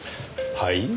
はい？